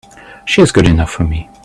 She's good enough for me!